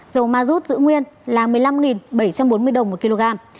dầu ma rút giữ nguyên là một mươi năm bảy trăm bốn mươi đồng một kg